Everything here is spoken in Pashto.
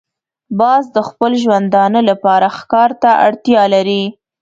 باز د خپل ژوندانه لپاره ښکار ته اړتیا لري